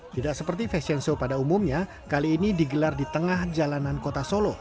tidak seperti fashion show pada umumnya kali ini digelar di tengah jalanan kota solo